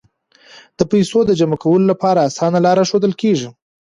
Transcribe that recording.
د پیسو د جمع کولو لپاره اسانه لارې ښودل کیږي.